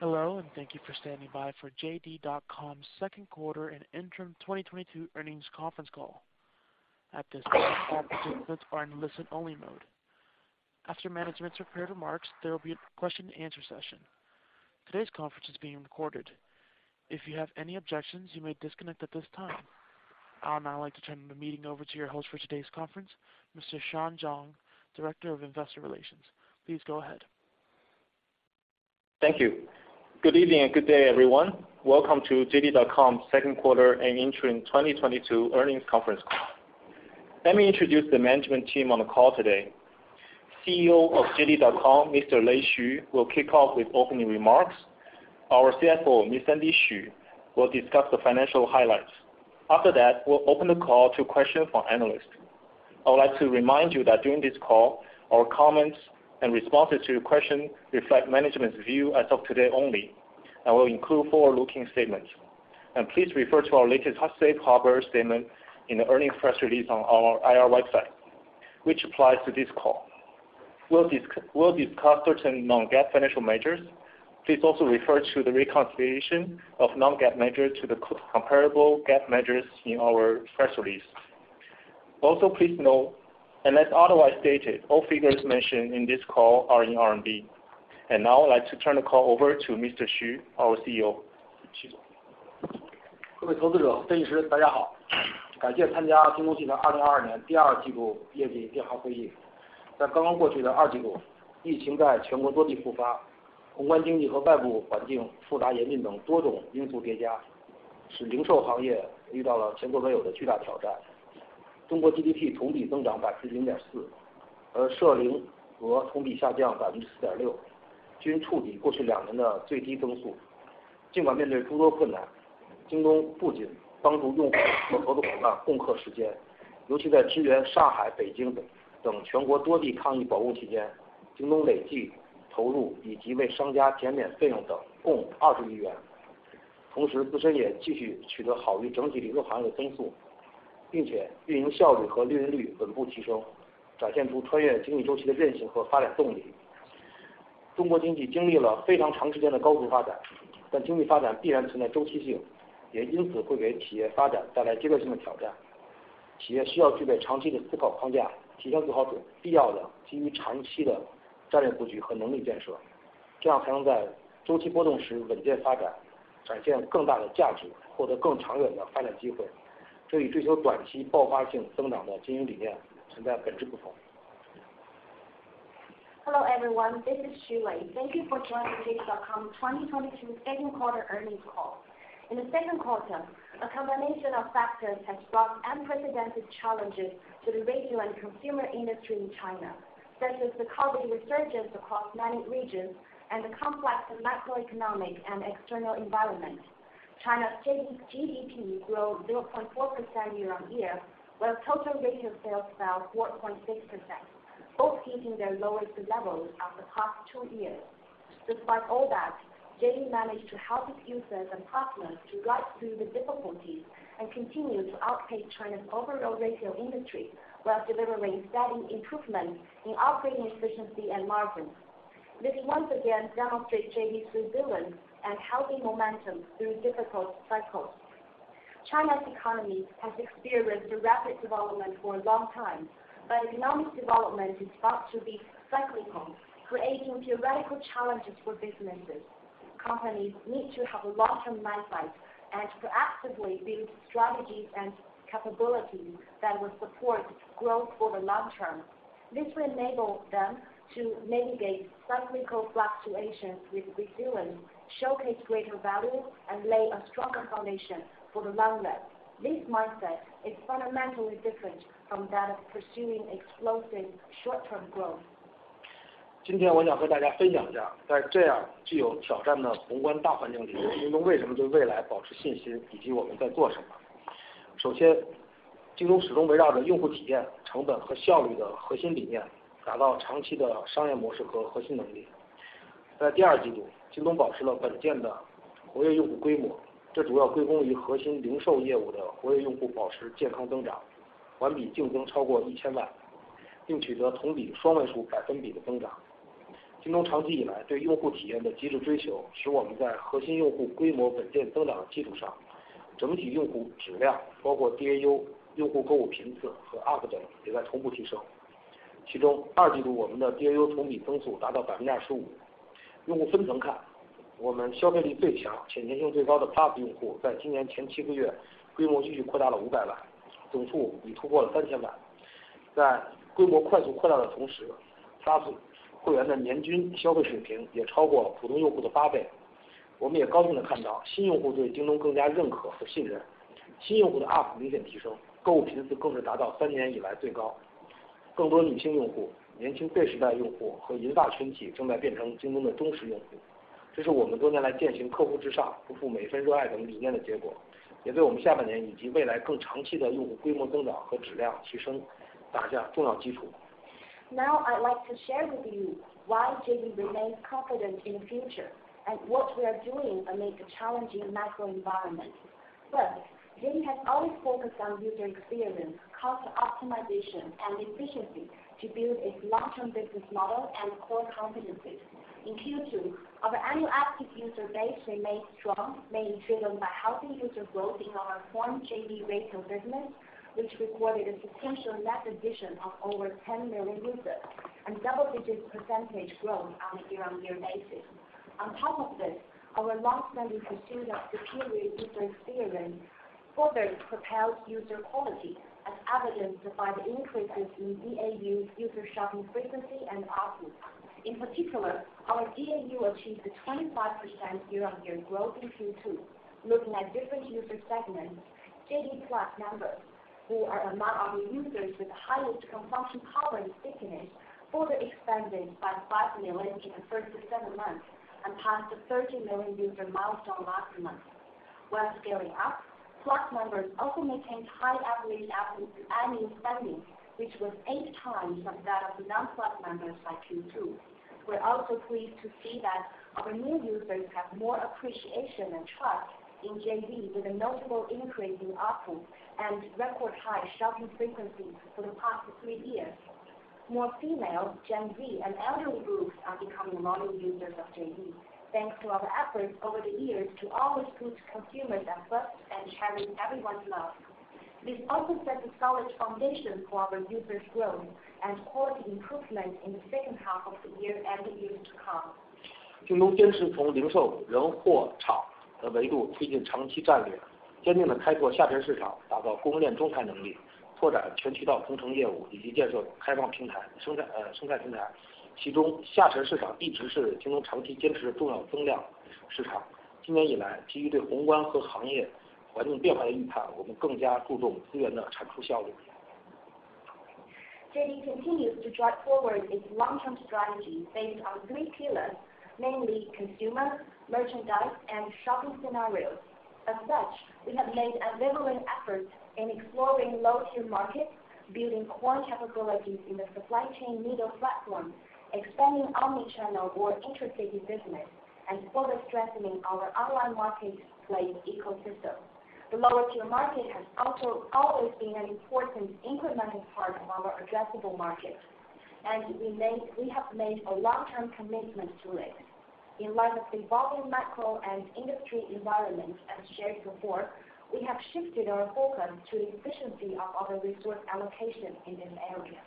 Hello, thank you for standing by for JD.com second quarter and interim 2022 earnings conference call. At this time, all participants are in listen-only mode. After management's prepared remarks, there will be a question-and-answer session. Today's conference is being recorded. If you have any objections, you may disconnect at this time. I'd now like to turn the meeting over to your host for today's conference, Mr. Sean Zhang, Director of Investor Relations. Please go ahead. Thank you. Good evening and good day, everyone. Welcome to JD.com second quarter and interim 2022 earnings conference call. Let me introduce the management team on the call today, CEO of JD.com, Mr. Lei Xu, will kick off with opening remarks. Our CFO, Ms. Sandy Xu, will discuss the financial highlights. After that, we'll open the call to questions from analysts. I would like to remind you that during this call, our comments and responses to your questions reflect management's view as of today only, and will include forward-looking statements. Please refer to our latest safe harbor statement in the earnings press release on our IR website, which applies to this call. We'll discuss certain non-GAAP financial measures. Please also refer to the reconciliation of non-GAAP measures to the comparable GAAP measures in our press release. Also, please note, unless otherwise stated, all figures mentioned in this call are in RMB. Now I'd like to turn the call over to Mr. Xu, our CEO. 徐 总. Hello, everyone, this is Lei Xu. Thank you for joining JD.com 2022 second quarter earnings call. In the second quarter, a combination of factors has brought unprecedented challenges to the retail and consumer industry in China, such as the COVID resurgence across many regions and the complex macroeconomic and external environment. China's GDP grew 0.4% year-over-year, while total retail sales fell 4.6%, both hitting their lowest levels of the past two years. Despite all that, JD managed to help its users and partners to glide through the difficulties and continue to outpace China's overall retail industry while delivering steady improvement in operating efficiency and margins. This once again demonstrates JD's resilience and healthy momentum through difficult cycles. China's economy has experienced rapid development for a long time, but economic development is bound to be cyclical, creating theoretical challenges for businesses. Companies need to have a long term mindset and to actively build strategies and capabilities that will support growth over the long term. This will enable them to mitigate cyclical fluctuations with resilience, showcase greater value, and lay a stronger foundation for the long run. This mindset is fundamentally different from that of pursuing explosive short term growth. Now I'd like to share with you why JD remains confident in the future and what we are doing amid the challenging macro environment. First, JD has always focused on user experience, cost optimization, and efficiency to build its long-term business model and core competencies. In Q2, our annual active user base remained strong, mainly driven by healthy user growth in our core JD Retail business, which recorded a substantial net addition of over 10 million users and double-digit percentage growth on a year-on-year basis. On top of this, our long-standing pursuit of superior user experience further propelled user quality, as evidenced by the increases in DAU user shopping frequency and ARPU. In particular, our DAU achieved a 25% year-on-year growth in Q2. Looking at different user segments, JD PLUS members who are among our users with the highest consumption power and stickiness, further expanded by 5 million in the first seven months and passed the 30 million user milestone last month. While scaling up, PLUS members also maintained high average annual spending, which was 8 times that of non-PLUS members by Q2. We're also pleased to see that our new users have more appreciation and trust in JD with a notable increase in ARPU and record-high shopping frequencies for the past three years. More female, Gen Z, and elderly groups are becoming loyal users of JD, thanks to our efforts over the years to always put consumers first and cherish everyone's love. This also sets a solid foundation for our users' growth and quality improvement in the second half of the year and the years to come. JD continues to drive forward its long-term strategy based on three pillars, namely consumer, merchandise, and shopping scenarios. As such, we have made unwavering efforts in exploring low-tier markets, building core capabilities in the supply chain middle platform, expanding omni-channel or intercity business, and further strengthening our online marketplace ecosystem. The lower-tier market has also always been an important incremental part of our addressable market, and we have made a long-term commitment to it. In light of the evolving macro and industry environment as shared before, we have shifted our focus to the efficiency of our resource allocation in this area.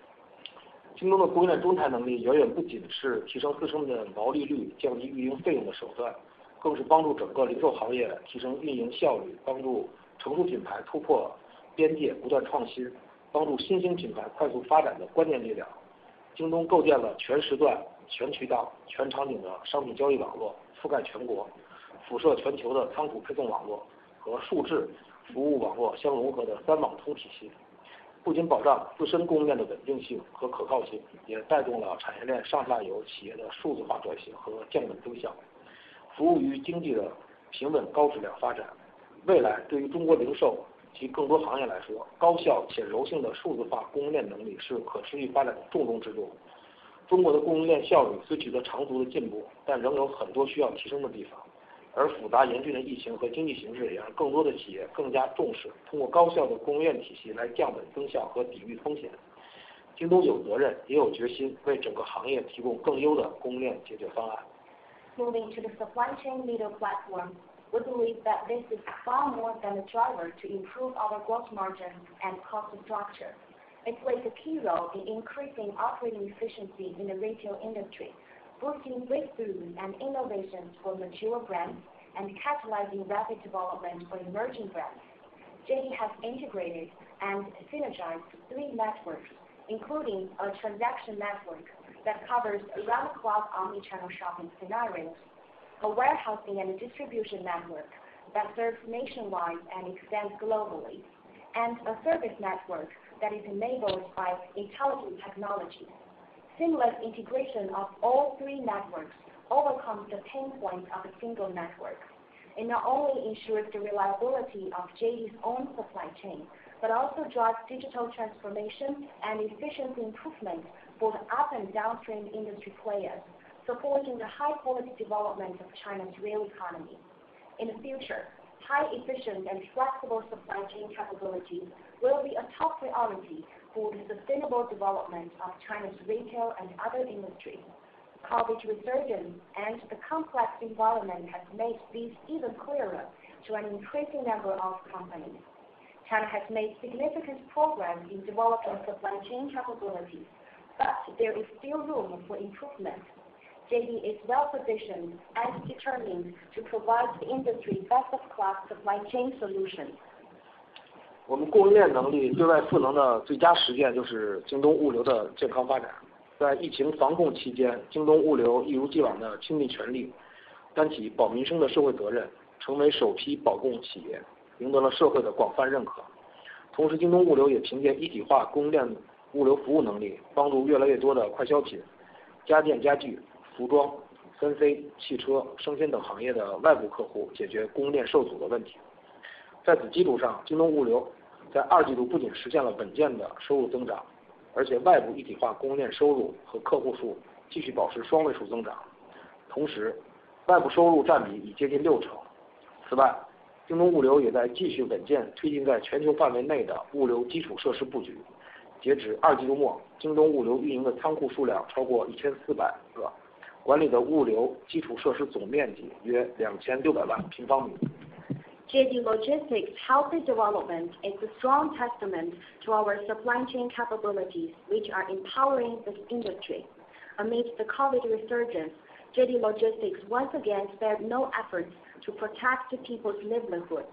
Moving to the supply chain middle platform, we believe that this is far more than a driver to improve our growth margin and cost structure. It plays a key role in increasing operating efficiency in the retail industry, boosting breakthroughs and innovations for mature brands, and catalyzing rapid development for emerging brands. JD has integrated and synergized three networks, including a transaction network that covers around-the-clock omni-channel shopping scenarios, a warehousing and distribution network that serves nationwide and extends globally, and a service network that is enabled by intelligent technology. Seamless integration of all three networks overcomes the pain point of a single network. It not only ensures the reliability of JD's own supply chain, but also drives digital transformation and efficiency improvement for the up and downstream industry players, supporting the high-quality development of China's real economy. In the future, high-efficient and flexible supply chain capabilities will be a top priority for the sustainable development of China's retail and other industries. COVID's resurgence and the complex environment have made this even clearer to an increasing number of companies. China has made significant progress in developing supply chain capabilities, but there is still room for improvement. JD is well-positioned and determined to provide the industry best-in-class supply chain solutions. JD Logistics healthy development is a strong testament to our supply chain capabilities, which are empowering this industry. Amidst the COVID resurgence, JD Logistics once again spared no efforts to protect the people's livelihoods.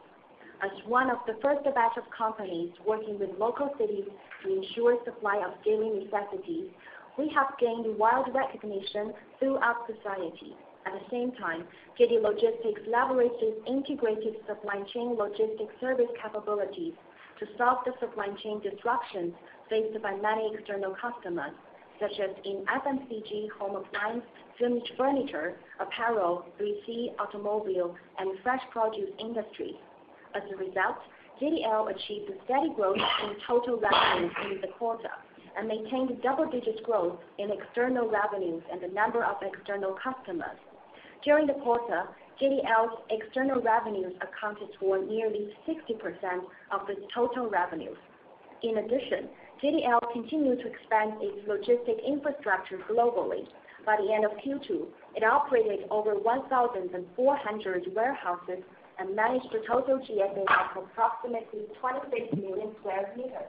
As one of the first batch of companies working with local cities to ensure supply of daily necessities, we have gained wide recognition throughout society. At the same time, JD Logistics leverages integrated supply chain logistics service capabilities to solve the supply chain disruptions faced by many external customers, such as in FMCG, home appliance, finished furniture, apparel, 3C, automobile, and fresh produce industries. As a result, JDL achieved a steady growth in total revenues during the quarter and maintained double-digit growth in external revenues and the number of external customers. During the quarter, JDL's external revenues accounted for nearly 60% of its total revenues. In addition, JDL continued to expand its logistics infrastructure globally. By the end of Q2, it operated over 1,400 warehouses and managed a total GFA of approximately 26 million square meters.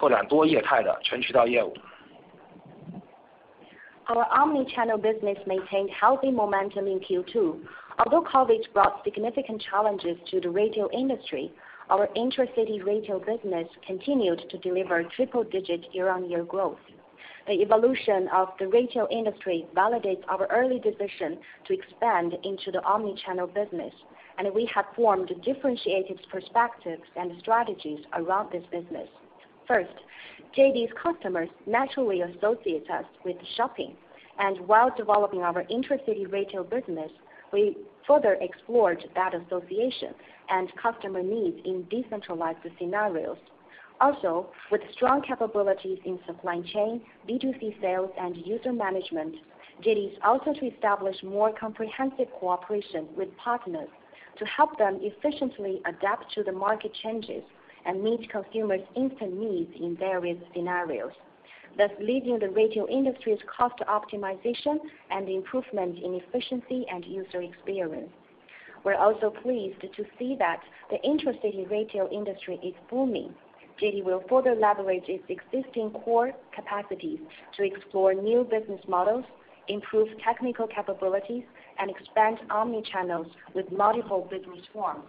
Our omni-channel business maintained healthy momentum in Q2. Although COVID brought significant challenges to the retail industry, our intra-city retail business continued to deliver triple-digit year-on-year growth. The evolution of the retail industry validates our early decision to expand into the omni-channel business, and we have formed differentiated perspectives and strategies around this business. First, JD's customers naturally associate us with shopping. While developing our intra-city retail business, we further explored that association and customer needs in decentralized scenarios. Also, with strong capabilities in supply chain, B2C sales, and user management, JD is able to establish more comprehensive cooperation with partners to help them efficiently adapt to the market changes and meet consumers' instant needs in various scenarios, thus leading the retail industry's cost optimization and improvement in efficiency and user experience. We're also pleased to see that the intra-city retail industry is booming. JD will further leverage its existing core capacities to explore new business models, improve technical capabilities, and expand omni-channels with multiple business forms.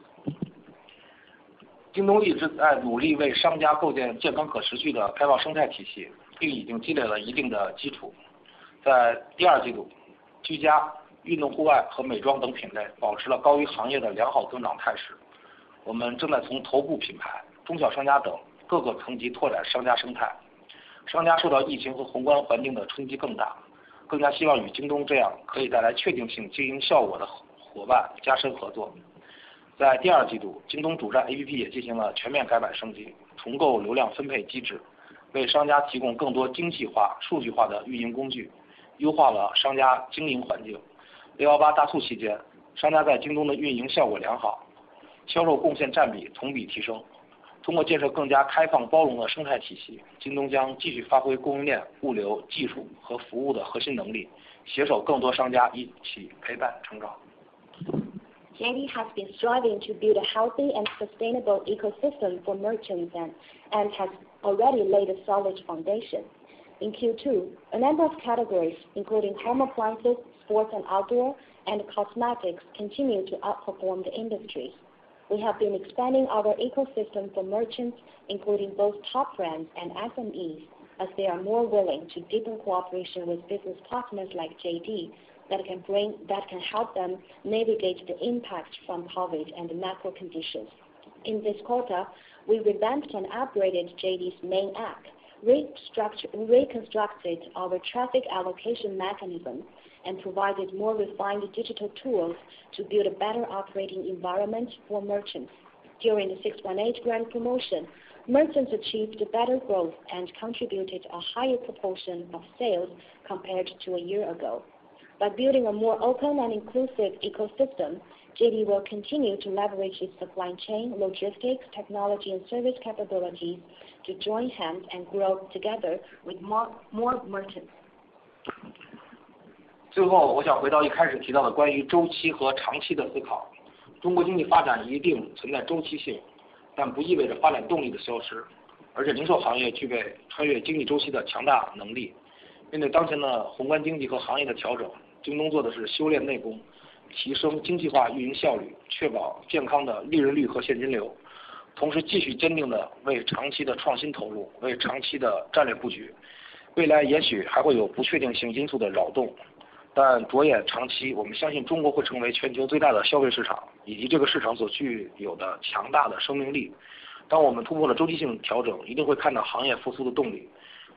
JD has been striving to build a healthy and sustainable ecosystem for merchants and has already laid a solid foundation. In Q2, a number of categories, including home appliances, sports and outdoor, and cosmetics, continued to outperform the industry. We have been expanding our ecosystem for merchants, including both top brands and SMEs, as they are more willing to deepen cooperation with business partners like JD that can help them navigate the impact from COVID and the macro conditions. In this quarter, we revamped and upgraded JD's main app, reconstructed our traffic allocation mechanism, and provided more refined digital tools to build a better operating environment for merchants. During the 618 Grand Promotion, merchants achieved better growth and contributed a higher proportion of sales compared to a year ago. By building a more open and inclusive ecosystem, JD will continue to leverage its supply chain, logistics, technology, and service capability to join hands and grow together with more merchants.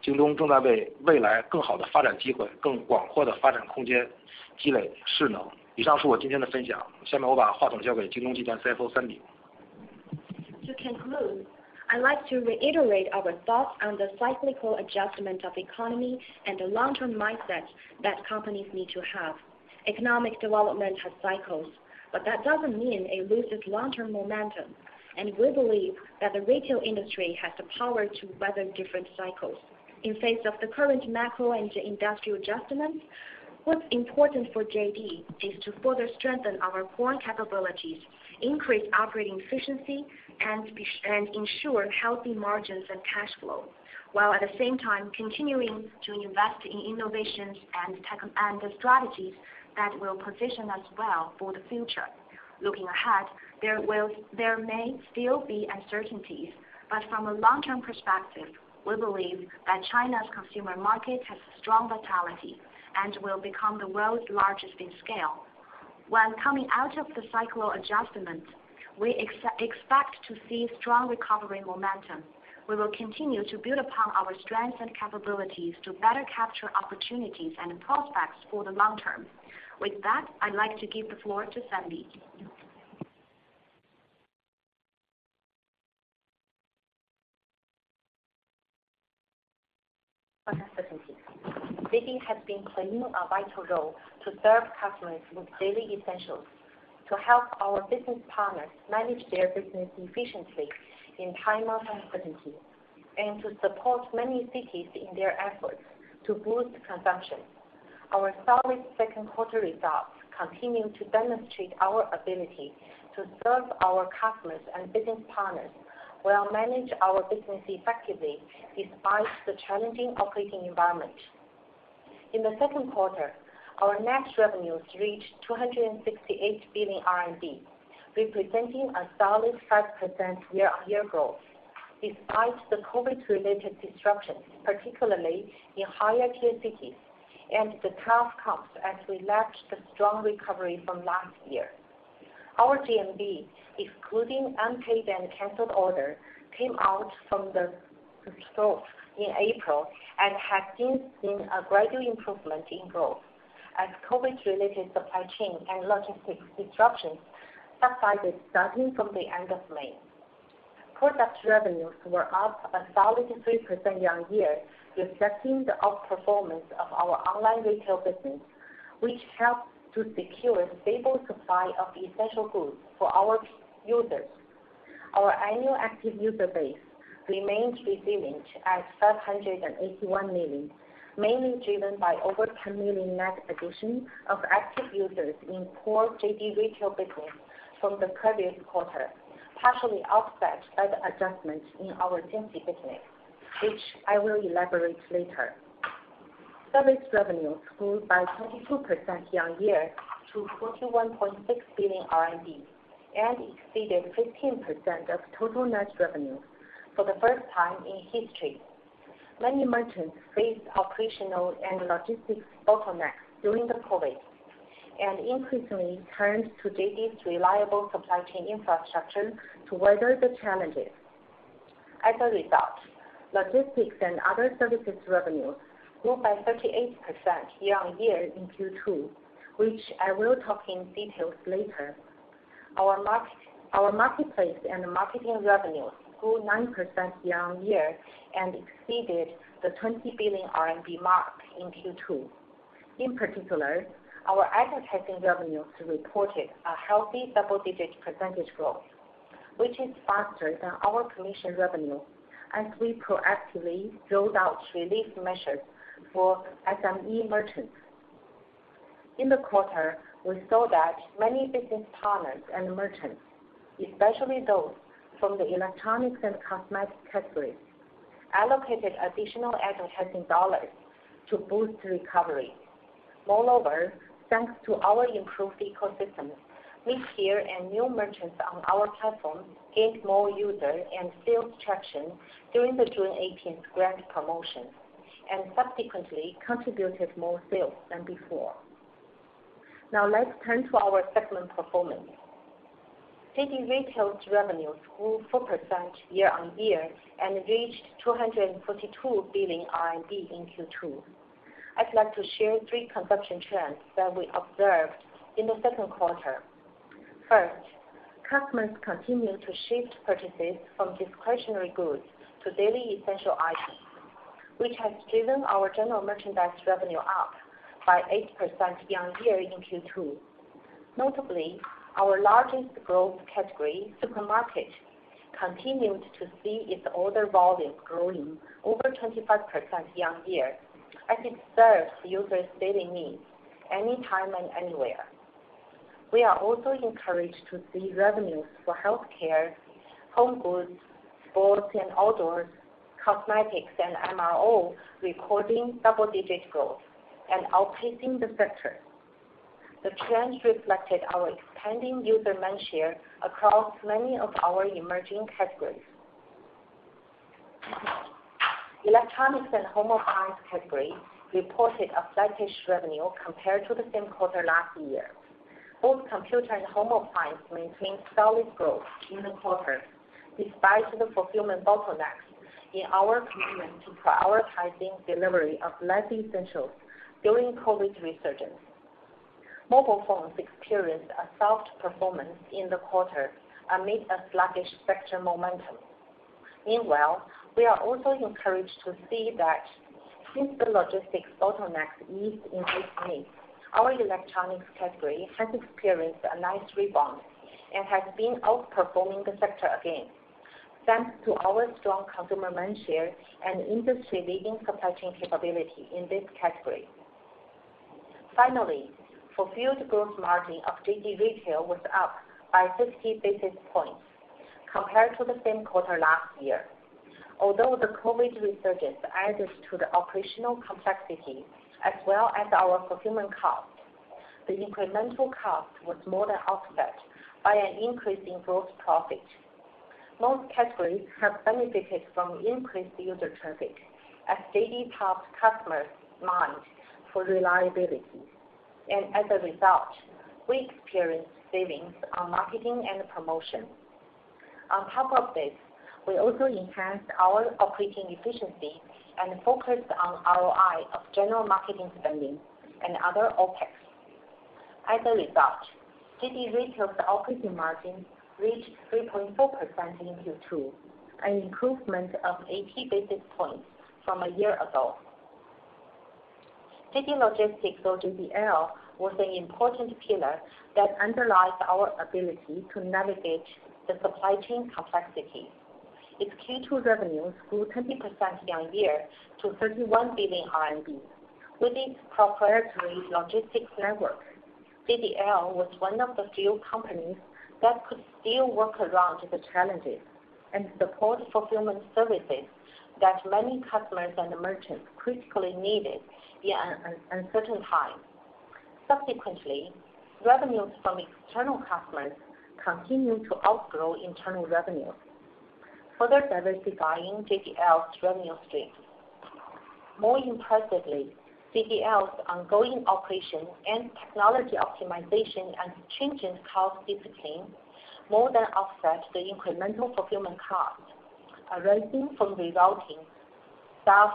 To conclude, I'd like to reiterate our thoughts on the cyclical adjustment of economy and the long-term mindset that companies need to have. Economic development has cycles, but that doesn't mean it loses long-term momentum, and we believe that the retail industry has the power to weather different cycles. In face of the current macro and industrial adjustments, what's important for JD is to further strengthen our core capabilities, increase operating efficiency, and ensure healthy margins and cash flow, while at the same time continuing to invest in innovations and the strategies that will position us well for the future. Looking ahead, there may still be uncertainties, but from a long-term perspective, we believe that China's consumer market has strong vitality and will become the world's largest in scale. When coming out of the cyclical adjustment, we expect to see strong recovery momentum. We will continue to build upon our strengths and capabilities to better capture opportunities and prospects for the long term. With that, I'd like to give the floor to Sandy. JD has been playing a vital role to serve customers with daily essentials, to help our business partners manage their business efficiently in times of uncertainty, and to support many cities in their efforts to boost consumption. Our solid second quarter results continue to demonstrate our ability to serve our customers and business partners, while manage our business effectively despite the challenging operating environment. In the second quarter, our net revenues reached 268 billion RMB, representing a solid 5% year-on-year growth despite the COVID-related disruptions, particularly in higher tier cities and the tough comps as we lapped the strong recovery from last year. Our GMV, excluding unpaid and canceled orders, came out from the trough in April and has since seen a gradual improvement in growth as COVID-related supply chain and logistics disruptions subsided starting from the end of May. Product revenues were up a solid 3% year-over-year, reflecting the outperformance of our online retail business, which helped to secure stable supply of essential goods for our users. Our annual active user base remains resilient at 581 million, mainly driven by over 10 million net addition of active users in core JD Retail business from the previous quarter, partially offset by the adjustments in our Jingxi business, which I will elaborate later. Service revenues grew by 22% year-over-year to 41.6 billion RMB, and exceeded 15% of total net revenue for the first time in history. Many merchants faced operational and logistics bottlenecks during the COVID, and increasingly turned to JD's reliable supply chain infrastructure to weather the challenges. As a result, logistics and other services revenues grew by 38% year-on-year in Q2, which I will talk in detail later. Our marketplace and marketing revenues grew 9% year-on-year and exceeded the 20 billion RMB mark in Q2. In particular, our advertising revenues reported a healthy double-digit % growth, which is faster than our commission revenue as we proactively rolled out relief measures for SME merchants. In the quarter, we saw that many business partners and merchants, especially those from the electronics and cosmetics categories, allocated additional advertising dollars to boost recovery. Moreover, thanks to our improved ecosystems, this year, and new merchants on our platform gained more user and sales traction during the 618 Grand Promotion, and subsequently contributed more sales than before. Now let's turn to our segment performance. JD Retail's revenues grew 4% year-on-year and reached 242 billion RMB in Q2. I'd like to share three consumption trends that we observed in the second quarter. First, customers continued to shift purchases from discretionary goods to daily essential items, which has driven our general merchandise revenue up by 8% year-on-year in Q2. Notably, our largest growth category, supermarket, continued to see its order volume growing over 25% year-on-year as it serves users' daily needs anytime and anywhere. We are also encouraged to see revenues for healthcare, home goods, sports and outdoors, cosmetics, and MRO recording double-digit growth and outpacing the sector. The trends reflected our expanding user mindshare across many of our emerging categories. Electronics and home appliance category reported a sluggish revenue compared to the same quarter last year. Both computer and home appliance maintained solid growth in the quarter despite the fulfillment bottlenecks in our commitment to prioritizing delivery of life essentials during COVID resurgence. Mobile phones experienced a soft performance in the quarter amid a sluggish sector momentum. Meanwhile, we are also encouraged to see that since the logistics bottlenecks eased in late May, our electronics category has experienced a nice rebound and has been outperforming the sector again, thanks to our strong consumer mindshare and industry-leading supply chain capability in this category. Finally, fulfilled gross margin of JD Retail was up by 50 basis points compared to the same quarter last year. Although the COVID resurgence added to the operational complexity as well as our fulfillment cost, the incremental cost was more than offset by an increase in gross profit. Most categories have benefited from increased user traffic as JD tops customers' mind for reliability. As a result, we experienced savings on marketing and promotion. On top of this, we also enhanced our operating efficiency and focused on ROI of general marketing spending and other OpEx. As a result, JD Retail's operating margin reached 3.4% in Q2, an improvement of 80 basis points from a year ago. JD Logistics or JDL was an important pillar that underlies our ability to navigate the supply chain complexity. Its Q2 revenues grew 20% year-on-year to 31 billion RMB. With its proprietary logistics network, JDL was one of the few companies that could still work around the challenges and support fulfillment services that many customers and merchants critically needed in an uncertain time. Subsequently, revenues from external customers continued to outgrow internal revenues, further diversifying JDL's revenue stream. More impressively, JDL's ongoing operations and technology optimization and stringent cost discipline more than offset the incremental fulfillment costs arising from resulting staff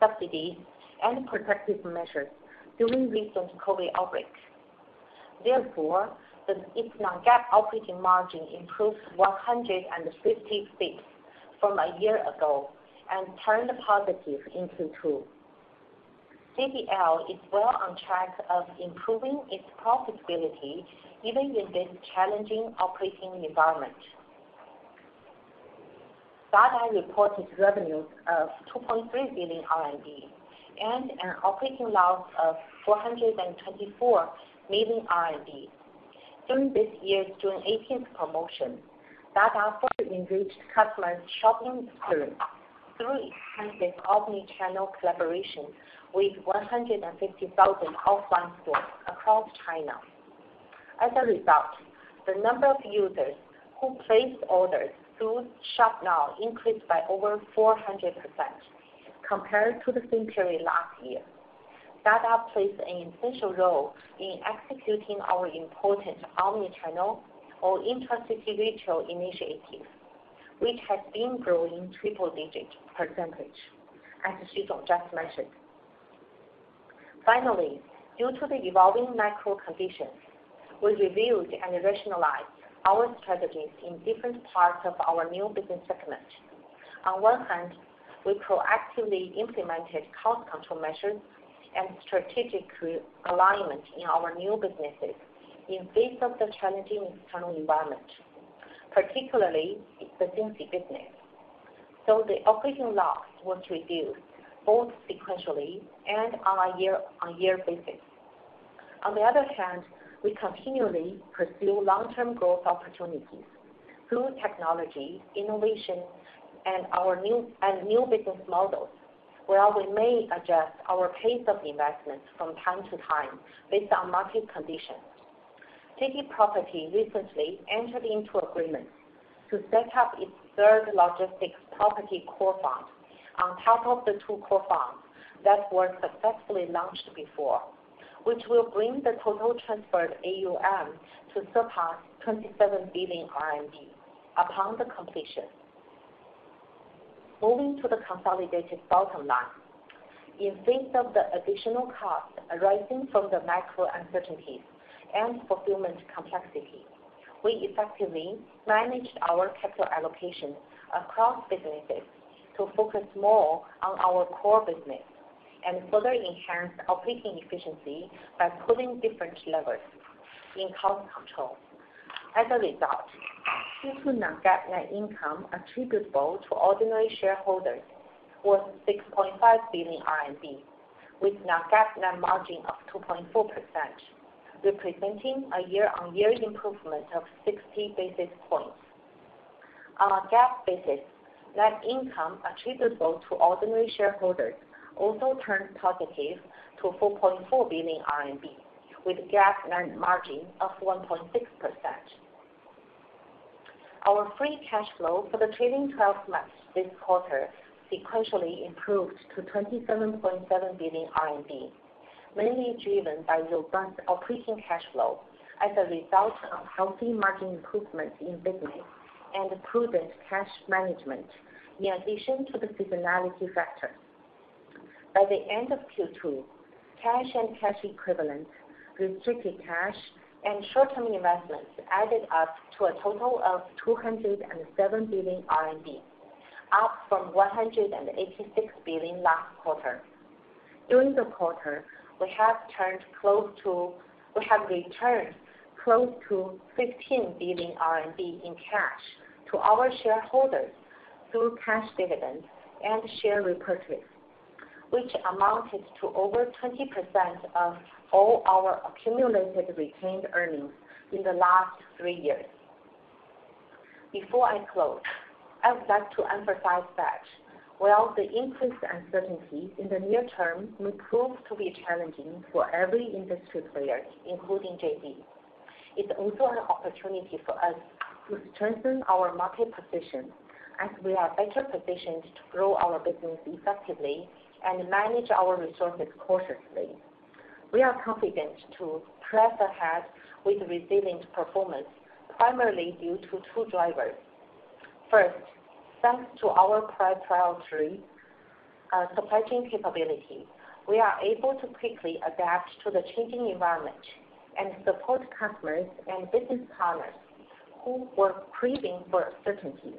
subsidy and protective measures during recent COVID outbreaks. Therefore, its non-GAAP operating margin improved 150 basis points from a year ago and turned positive in Q2. JDL is well on track of improving its profitability even in this challenging operating environment. Dada reported revenues of 2.3 billion RMB and an operating loss of 424 million RMB. During this year's 618 promotion, Dada further enriched customers' shopping experience through enhanced omni-channel collaboration with 150,000 offline stores across China. As a result, the number of users who placed orders through Shop Now increased by over 400% compared to the same period last year. Dada plays an essential role in executing our important omni-channel or intra-city retail initiative, which has been growing triple-digit percentage, as Xu Lei just mentioned. Finally, due to the evolving macro conditions, we reviewed and rationalized our strategies in different parts of our new business segment. On one hand, we proactively implemented cost control measures and strategic alignment in our new businesses in face of the challenging external environment, particularly the Jingxi business. The operating loss was reduced both sequentially and on a year-on-year basis. On the other hand, we continually pursue long-term growth opportunities through technology, innovation, and our new business models, where we may adjust our pace of investment from time to time based on market conditions. JD Property recently entered into agreement to set up its third logistics property core fund on top of the two core funds that were successfully launched before, which will bring the total transferred AUM to surpass 27 billion RMB upon the completion. Moving to the consolidated bottom line. In the face of the additional costs arising from the macro uncertainties and fulfillment complexity, we effectively managed our capital allocation across businesses to focus more on our core business and further enhance operating efficiency by pulling different levers in cost control. As a result, Q2 non-GAAP net income attributable to ordinary shareholders was 6.5 billion RMB, with non-GAAP net margin of 2.4%, representing a year-on-year improvement of 60 basis points. On a GAAP basis, net income attributable to ordinary shareholders also turned positive to 4.4 billion RMB, with GAAP net margin of 1.6%. Our free cash flow for the trailing twelve months this quarter sequentially improved to 27.7 billion RMB, mainly driven by robust operating cash flow as a result of healthy margin improvements in business and prudent cash management, in addition to the seasonality factor. By the end of Q2, cash and cash equivalents, restricted cash and short-term investments added up to a total of 207 billion RMB, up from 186 billion last quarter. During the quarter, we have returned close to 15 billion RMB in cash to our shareholders through cash dividends and share repurchase, which amounted to over 20% of all our accumulated retained earnings in the last three years. Before I close, I would like to emphasize that while the increased uncertainty in the near term may prove to be challenging for every industry player, including JD, it's also an opportunity for us to strengthen our market position as we are better positioned to grow our business effectively and manage our resources cautiously. We are confident to press ahead with resilient performance, primarily due to two drivers. First, thanks to our proprietary supply chain capability, we are able to quickly adapt to the changing environment and support customers and business partners who were craving for certainty.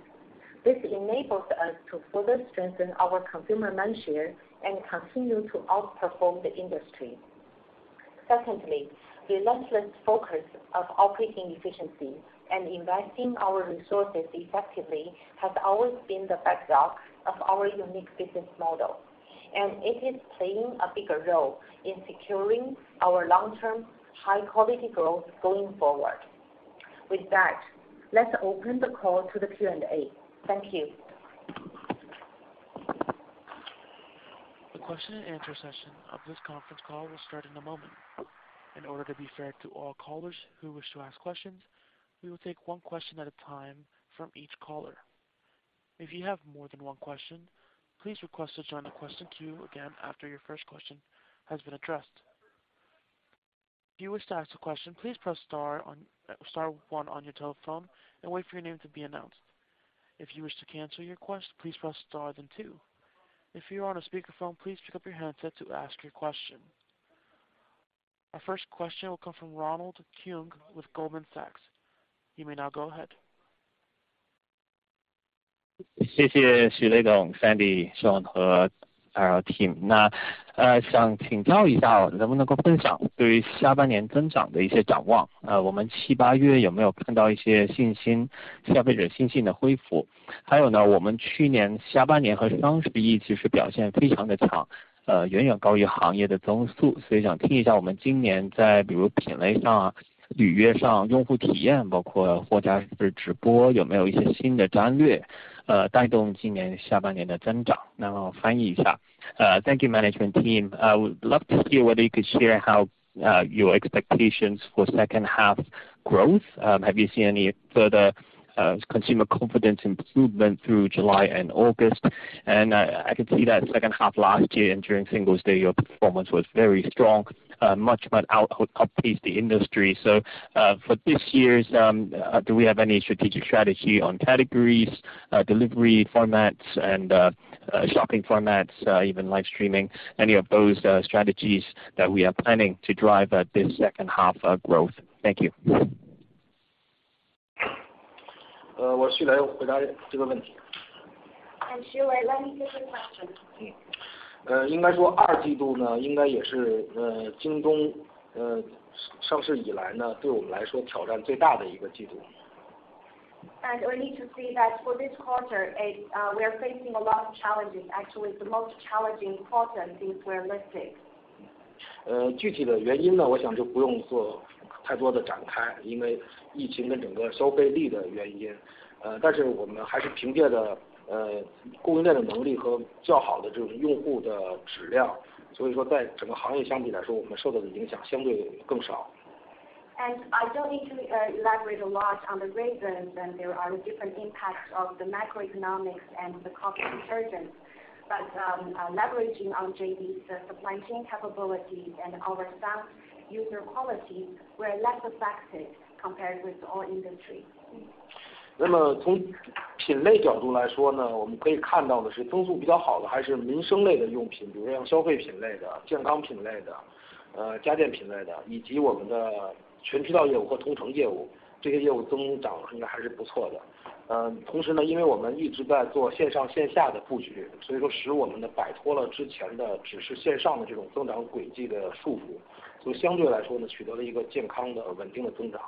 This enables us to further strengthen our consumer mindshare and continue to outperform the industry. Secondly, relentless focus of operating efficiency and investing our resources effectively has always been the bedrock of our unique business model, and it is playing a bigger role in securing our long-term, high-quality growth going forward. With that, let's open the call to the Q&A. Thank you. The question-and-answer session of this conference call will start in a moment. In order to be fair to all callers who wish to ask questions, we will take one question at a time from each caller. If you have more than one question, please request to join the question queue again after your first question has been addressed. If you wish to ask a question, please press star one on your telephone and wait for your name to be announced. If you wish to cancel your question, please press star then two. If you're on a speakerphone, please pick up your handset to ask your question. Our first question will come from Ronald Keung with Goldman Sachs. You may now go ahead. Thank you, management team. I would love to hear whether you could share how your expectations for second half growth. Have you seen any further consumer confidence improvement through July and August? I can see that second half last year and during Singles Day, your performance was very strong, much outpaced the industry. For this year's, do we have any strategic strategy on categories, delivery formats and shopping formats, even live streaming? Any of those strategies that we are planning to drive this second half growth? Thank you. Xu Lei, let me take your question. I need to say that for this quarter, it's we are facing a lot of challenges. Actually, it's the most challenging quarter since we're listed. I don't need to elaborate a lot on the reasons and there are different impacts of the macroeconomics and the cost increases Leveraging on JD's supply chain capabilities and our staff and user qualities were less affected compared with overall industry. 那么从品类角度来说呢，我们可以看到的是增速比较好的还是民生类的用品，比如像消费品类的、健康品类的、家电品类的，以及我们的全渠道业务和同城业务，这些业务增长应该还是不错的。同时呢，因为我们一直在做线上线下的布局，所以说使我们呢摆脱了之前的只是线上的这种增长轨迹的束缚，所以相对来说呢，取得了一个健康的、稳定的增长。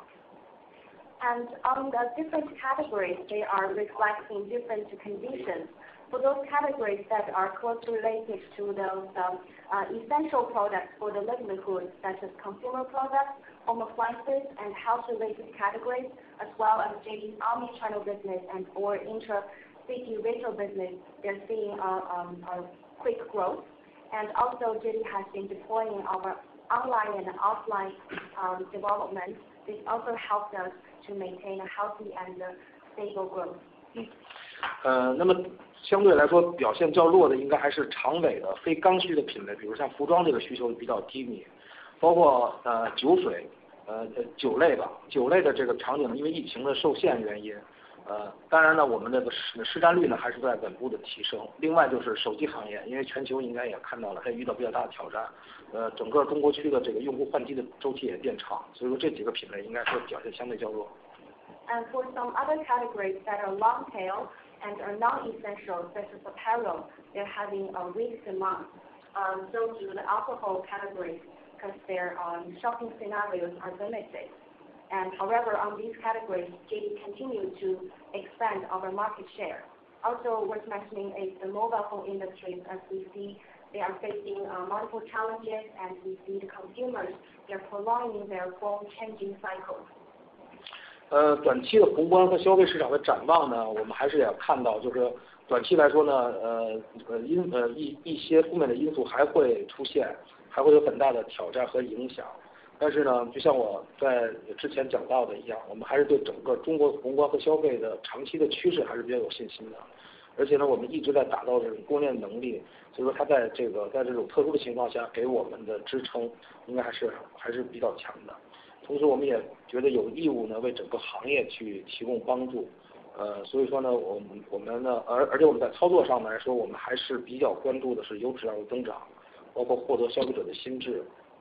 On the different categories, they are reflecting different conditions. For those categories that are closely related to those essential products for the livelihood such as consumer products, home appliances and health related categories as well as JD's omni-channel business and for intra-city retail business, they are seeing a quick growth. Also JD has been deploying our online and offline development. This also helps us to maintain a healthy and stable growth. 相对来说表现较弱的应该还是长尾的非刚需的品类，比如像服装这个需求比较低迷，包括酒类。酒类的这个场景因为疫情的受限原因，当然了，我们这个市占率呢，还是在稳步的提升。另外就是手机行业，因为全球应该也看到了，它遇到比较大的挑战，整个中国区的这个用户换机的周期也变长。所以说这几个品类应该是表现相对较弱。For some other categories that are long tail and are non-essential, such as apparel, they're having a weaker month. Do the alcohol categories because their shopping scenarios are limited. However, on these categories, JD continue to expand our market share. Also worth mentioning is the mobile phone industry, as we see they are facing multiple challenges and we see the consumers, they are prolonging their phone changing cycle.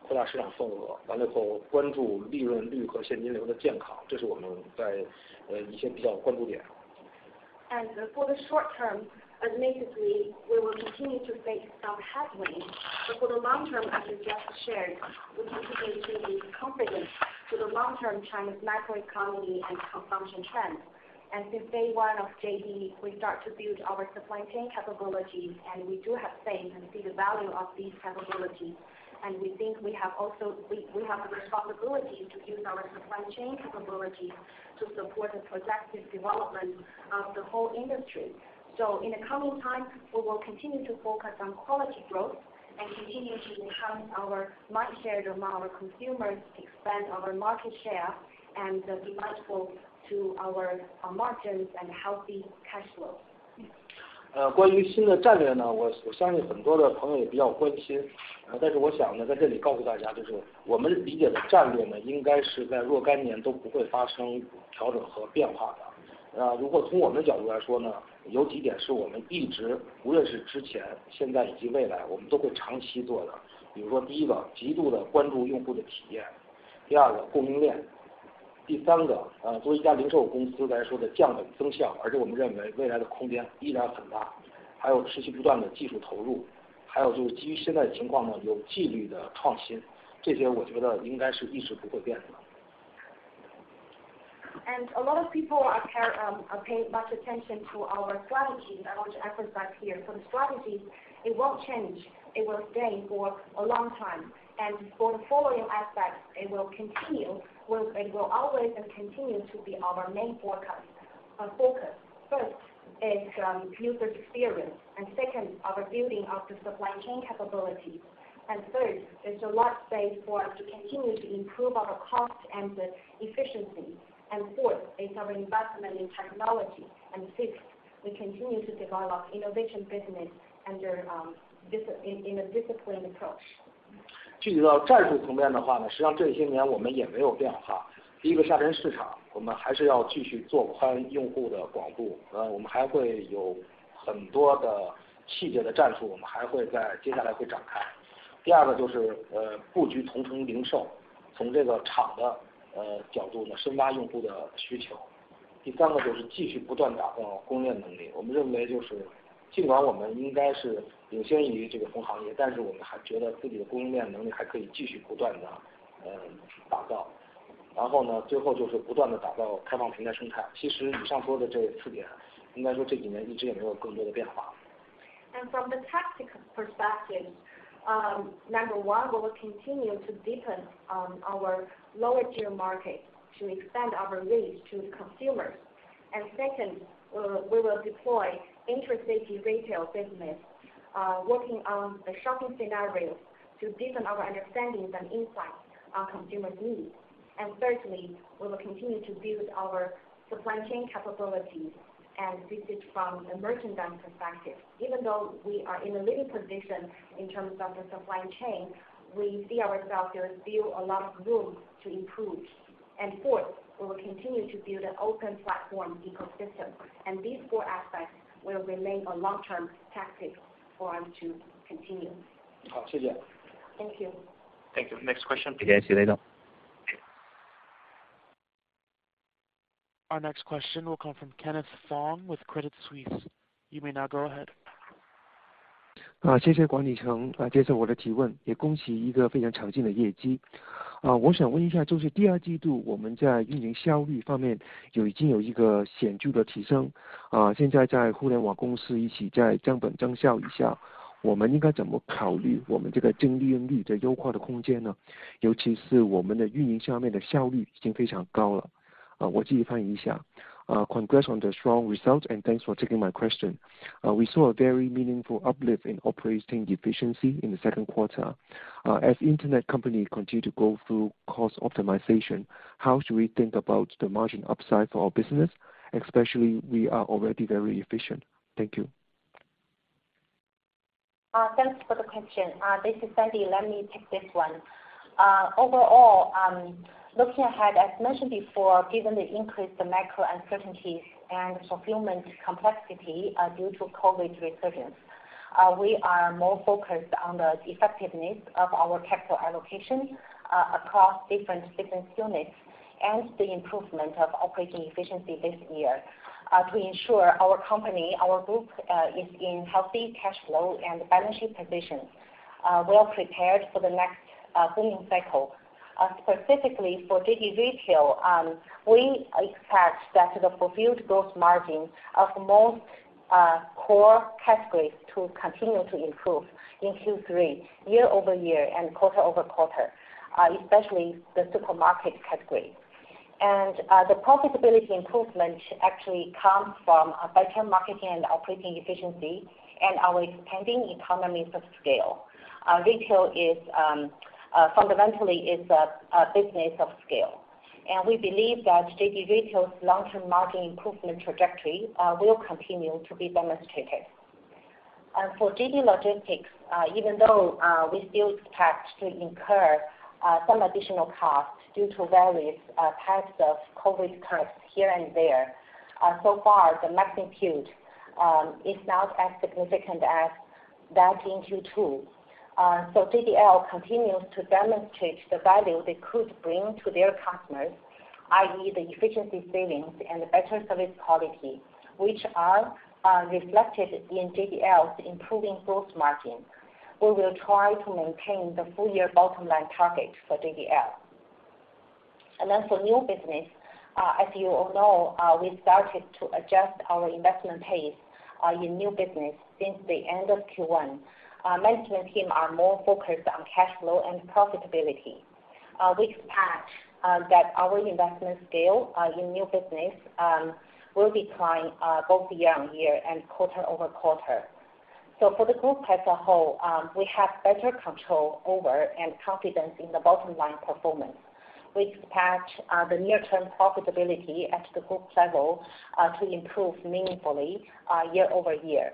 For the short term, admittedly, we will continue to face some headwind. For the long term, as you just shared, we continue to be confident in the long-term China's macro economy and consumption trends. Since day one of JD, we start to build our supply chain capabilities and we do have faith and see the value of these capabilities. We think we have a responsibility to use our supply chain capabilities to support the productive development of the whole industry. In the coming time, we will continue to focus on quality growth and continue to enhance our market share among our consumers, expand our market share, and be mindful of our margins and healthy cash flow. 关于新的战略，我相信很多的朋友也比较关心，但是我想在这里告诉大家，就是我们理解的战略，应该是在若干年都不会发生调整和变化的。那如果从我们的角度来说，有几点是我们一直无论是之前、现在以及未来我们都会长期做的。比如说第一个，极度地关注用户的体验，第二个供应链，第三个，作为一家零售公司来说的降本增效，而且我们认为未来的空间依然很大。还有持续不断的技术投入，还有就是基于现在的情况，有纪律的创新，这些我觉得应该是一直不会变的。A lot of people are paying much attention to our strategy. I want to emphasize here for the strategy, it won't change, it will stay for a long time. For the following aspects, it will always continue to be our main focus. First is user experience, and second, our building of the supply chain capabilities. Third, there's a lot of space for us to continue to improve our cost and efficiency. Fourth is our investment in technology. Fifth, we continue to develop innovation business in a disciplined approach. From the tactical perspective, number one, we will continue to deepen our lower tier market to expand our reach to the consumers. Second, we will deepen in the JD Retail business, working on the shopping scenarios to deepen our understandings and insights on consumers' needs. Third, we will continue to build our supply chain capabilities and view it from a merchandise perspective. Even though we are in a leading position in terms of the supply chain, we see that there is still a lot of room to improve. Fourth, we will continue to build an open platform ecosystem, and these four aspects will remain a long-term tactic for us to continue. Oh, sure. Thank you. Thank you. Next question. Okay. See you later. Our next question will come from Kenneth Fong with Credit Suisse. You may now go ahead. Congrats on the strong results, and thanks for taking my question. We saw a very meaningful uplift in operating efficiency in the second quarter. As internet companies continue to go through cost optimization, how should we think about the margin upside for our business, especially, we are already very efficient? Thank you. Thanks for the question. This is Sandy Xu. Let me take this one. Overall, looking ahead, as mentioned before, given the increased macro uncertainties and fulfillment complexity due to COVID resurgence, we are more focused on the effectiveness of our capital allocation across different business units and the improvement of operating efficiency this year to ensure our company, our group, is in healthy cash flow and balance sheet position, well prepared for the next booming cycle. Specifically for JD Retail, we expect that the fulfilled gross margin of most core categories to continue to improve in Q3 year-over-year and quarter-over-quarter, especially the supermarket category. The profitability improvement actually comes from a better marketing and operating efficiency and our expanding economies of scale. Our retail is fundamentally a business of scale. We believe that JD Retail's long-term margin improvement trajectory will continue to be demonstrated. For JD Logistics, even though we still expect to incur some additional costs due to various types of COVID cuts here and there, so far, the magnitude is not as significant as that in Q2. JDL continues to demonstrate the value they could bring to their customers, i.e., the efficiency savings and the better service quality, which are reflected in JDL's improving gross margin. We will try to maintain the full year bottom line target for JDL. For new business, as you all know, we started to adjust our investment pace in new business since the end of Q1. Our management team are more focused on cash flow and profitability. We expect that our investment scale in new business will decline both year-over-year and quarter-over-quarter. For the group as a whole, we have better control over and confidence in the bottom line performance. We expect the near term profitability at the group level to improve meaningfully year-over-year.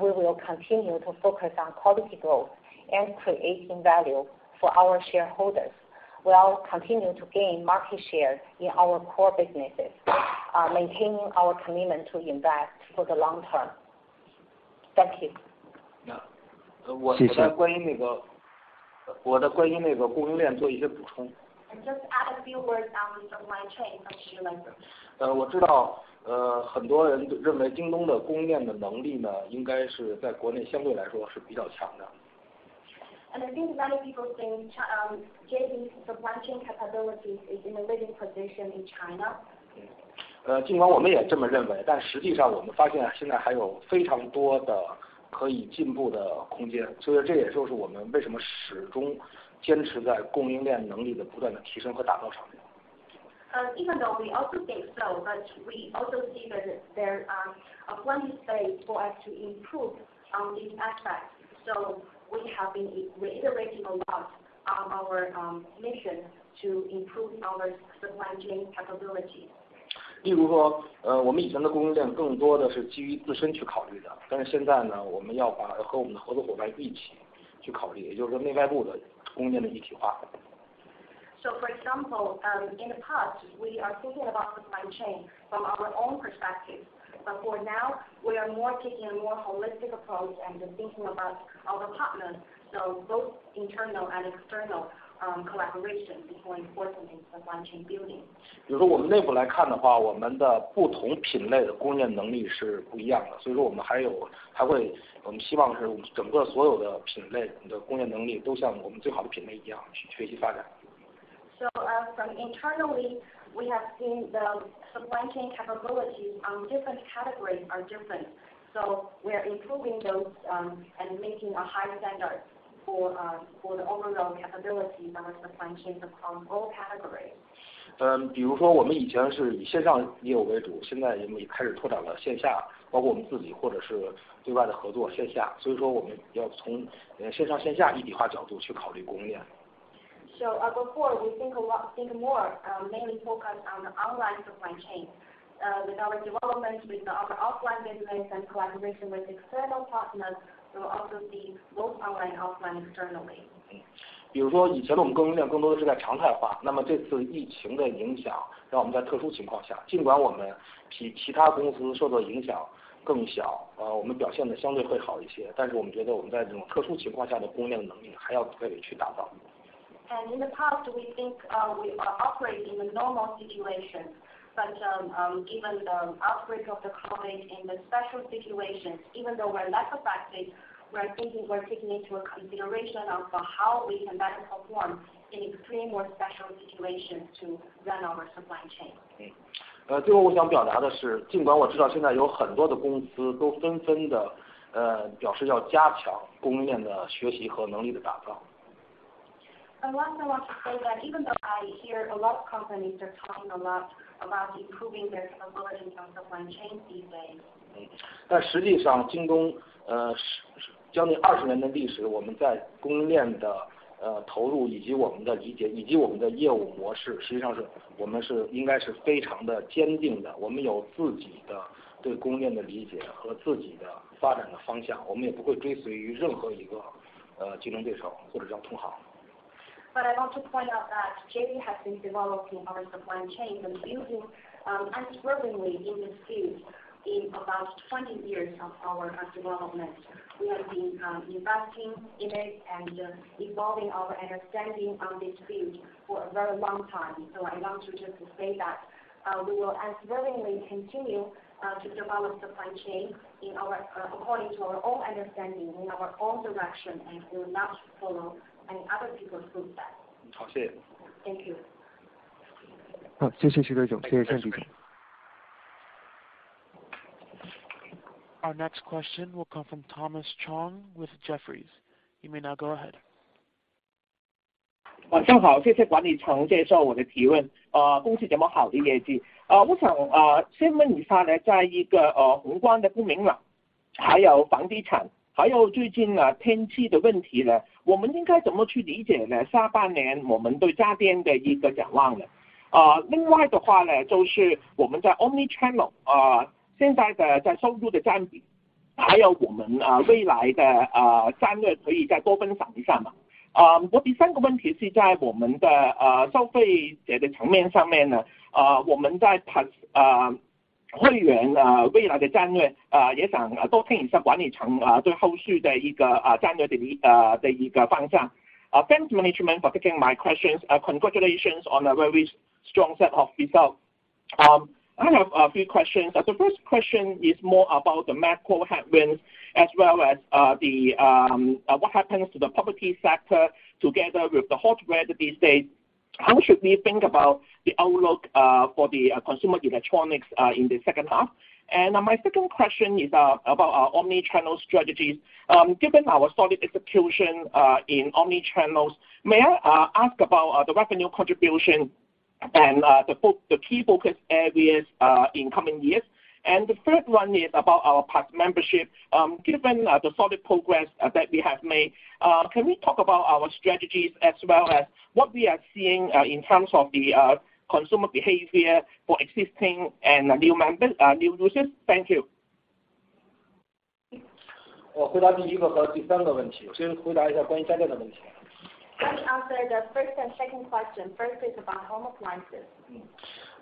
We will continue to focus on quality growth and creating value for our shareholders. We are continuing to gain market share in our core businesses, maintaining our commitment to invest for the long term. Thank you. Yeah. Just add a few words on the supply chain from Xu Lei, please. I think many people think JD's supply chain capabilities is in a leading position in China. Even though we also think so, but we also see that there plenty space for us to improve on these aspects. We have been reiterating a lot on our mission to improve our supply chain capabilities. For example, in the past, we are thinking about supply chain from our own perspective. For now, we are more taking a more holistic approach and thinking about our partners. Both internal and external collaboration is more important in supply chain building. From internally, we have seen the supply chain capabilities on different categories are different. We are improving those and making a high standard for the overall capabilities of our supply chains across all categories. 比如说我们以前是以线上业务为主，现在也开始拓展了线下，包括我们自己或者是对外的合作线下。所以说我们要从线上线下一体化角度去考虑供应链。Before we think a lot, think more mainly focus on the online supply chain with our development, with our offline business and collaboration with external partners. We will also see both online and offline externally. 比如说以前我们供应链更多的是在常态化，那么这次疫情的影响让我们在特殊情况下，尽管我们比其他公司受的影响更小，我们表现得相对会好一些，但是我们觉得我们在这种特殊情况下的供应链能力还要再进一步打造。In the past we think we operate in a normal situation. Even the outbreak of the COVID in the special situations, even though we are less affected, we are thinking of taking into consideration how we can better perform in extreme or special situations to run our supply chain. 最后我想表达的是，尽管我知道现在有很多的公司都纷纷地表示要加强供应链的学习和能力地打造。Last I want to say that even though I hear a lot of companies are talking a lot about improving their capability in terms of supply chain these days. 但实际上京东将近二十年的历史，我们在供应链的投入以及我们的理解，以及我们的业务模式，实际上是我们应该是非常地坚定的。我们有自己的对供应链的理解和自己的发展的方向，我们也不会追随于任何一个竞争对手或者叫同行。I want to point out that JD has been developing our supply chain and building unswervingly in this field in about 20 years of our development. We have been investing in it and evolving our understanding of this field for a very long time. I want to just say that we will unswervingly continue to develop supply chain in accordance with our own understanding in our own direction, and will not follow any other people's footsteps. 好，谢谢。Thank you. 好，谢谢徐总。谢谢尚副总。Our next question will come from Thomas Chong with Jefferies. You may now go ahead. Thanks management for taking my questions. Congratulations on a very strong set of results. I have a few questions. The first question is more about the macro headwinds as well as what happens to the property sector together with the hot weather these days. How should we think about the outlook for the consumer electronics in the second half? My second question is about our omnichannel strategies. Given our solid execution in omnichannel, may I ask about the revenue contribution and the key focus areas in coming years? The third one is about our Plus membership. Given the solid progress that we have made, can we talk about our strategies as well as what we are seeing in terms of the consumer behavior for existing and new members, new users? Thank you. 我回答第一个和第三个问题，先回答一下关于战略的问题。Can you answer the first and second question, first is about home appliances?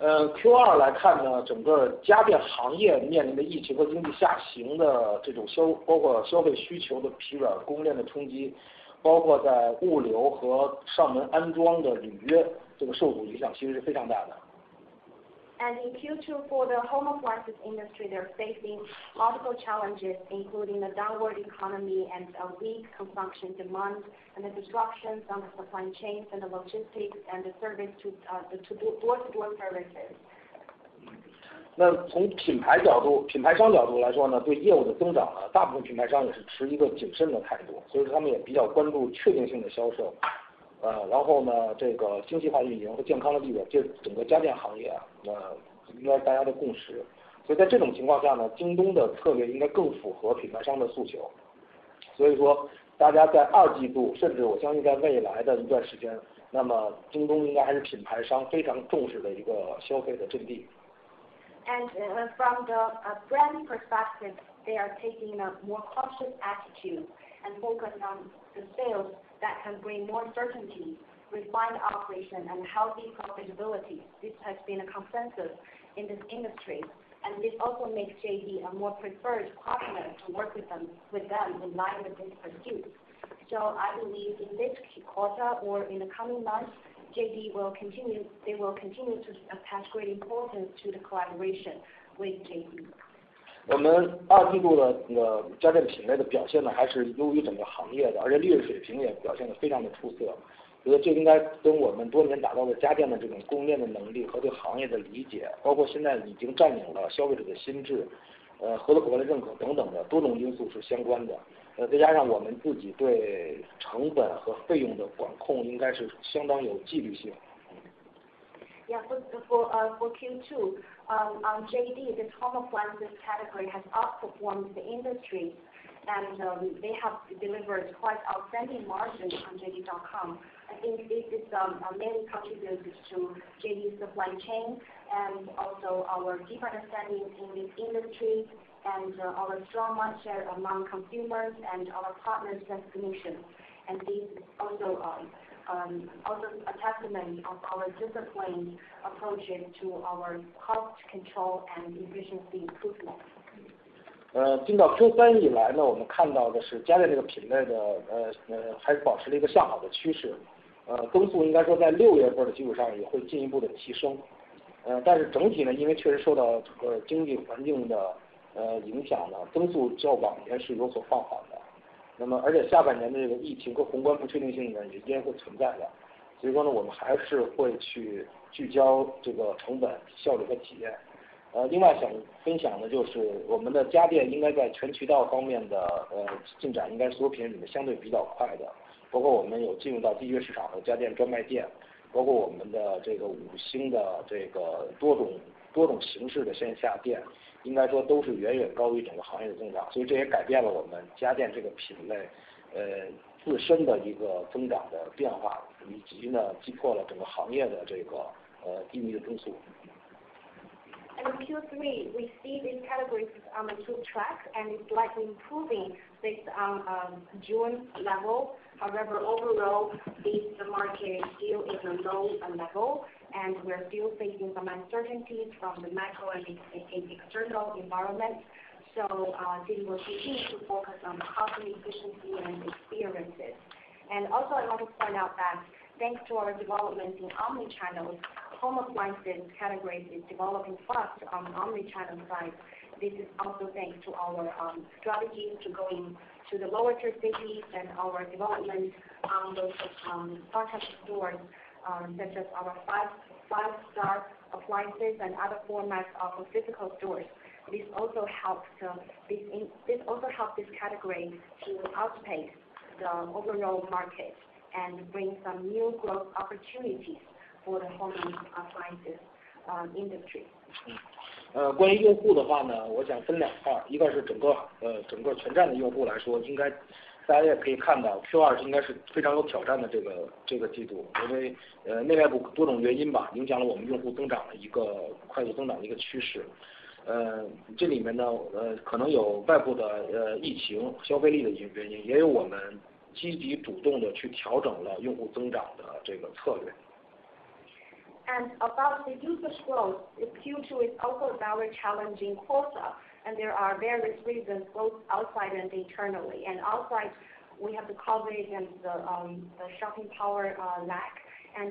Q2来看呢，整个家电行业面临的疫情和经济下行的这种消，包括消费需求的疲软，供应链的冲击，包括在物流和上门安装的履约，这个受影响其实是非常大的。In Q2 for the home appliances industry, they are facing multiple challenges, including a downward economy and a weak consumption demand and the disruptions on the supply chains and the logistics and the service to door-to-door services. 那从品牌角度，品牌商角度来说呢，对业务的增长啊，大部分品牌商也是持一个谨慎的态度，所以他们也比较关注确定性的销售。然后呢，这个精细化运营和健康的利润，这是整个家电行业应该大家的共识。所以在这种情况下呢，京东的策略应该更符合品牌商的诉求。所以说大家在二季度，甚至我相信在未来的一段时间，那么京东应该还是品牌商非常重视的一个消费的阵地。From the brand perspective, they are taking a more cautious attitude and focus on the sales that can bring more certainty, refined operation and healthy profitability. This has been a consensus in this industry and this also makes JD a more preferred partner to work with them in line with this pursuit. I believe in this quarter or in the coming months, JD will continue, they will continue to attach great importance to the collaboration with JD. For Q2. JD's home appliances category has outperformed the industry and they have delivered quite outstanding margins on JD.com. I think this is a main contributor to JD supply chain and also our deep understanding in this industry and our strong market position among consumers and our partners. This is also a testimony of our disciplined approaches to our cost control and efficiency improvement. In Q3 we see these categories on the two tracks and it's likely improving since June level. However, overall the market is still in a low level and we are still facing some uncertainties from the macro and external environment. JD will continue to focus on cost efficiency and experiences. Also, I want to point out that thanks to our development in omni-channel, home appliances category is developing fast on omni-channel side. This is also thanks to our strategy to go to the lower-tier cities and our development on those Five-star stores, such as our Five Star Appliance and other formats of physical stores. This also helps this category to outpace the overall market and bring some new growth opportunities for the home appliances industry. 关于用户的话，我想分两块，一个是整个全站的用户来说，应该大家也可以看到，Q2应该是非常有挑战的这个季度，因为内外多种原因，影响了我们用户增长的快速增长的趋势。这里面可能有外部的疫情、消费力的原因，也有我们积极主动地去调整了用户增长的这个策略。About the user growth, Q2 is also a very challenging quarter and there are various reasons both outside and internally. Outside we have the COVID and the lack of purchasing power.